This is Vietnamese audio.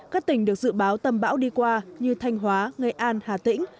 các tỉnh được dự báo tầm bão đi qua như thanh hóa nghệ an hà tĩnh